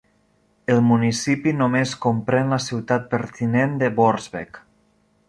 El municipi només comprèn la ciutat pertinent de Borsbeek.